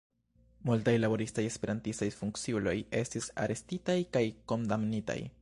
Multaj laboristaj Esperantistaj funkciuloj estis arestitaj kaj kondamnitaj.